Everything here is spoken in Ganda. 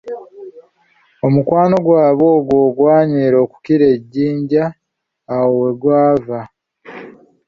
Omukwano gwabwe ogwo ogwanywera okukira ejjinja awo we gwava.